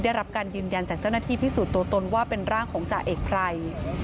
ได้รับการยืนยันจากเจ้าหน้าที่พิสูจน์ตัวตนว่าเป็นร่างของจ่าเอกไพร